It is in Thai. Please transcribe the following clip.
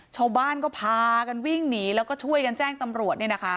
ชาวบ้านก็พากันวิ่งหนีแล้วก็ช่วยกันแจ้งตำรวจ